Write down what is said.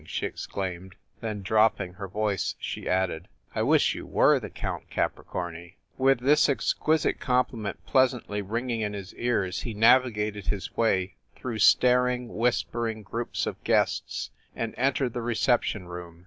she exclaimed, then, dropping her voice she added, "I wish you were the Count Capricorni !" With this exquisite compliment pleasantly ring ing in his ears, he navigated his way through star ing, whispering groups of guests and entered the reception room.